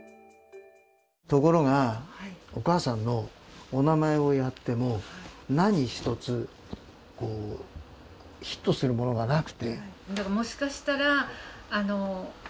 ところがお母さんのお名前をやっても何一つヒットするものがなくて。